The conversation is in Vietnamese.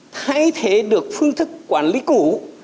thay thế được phương thức quản lý cũ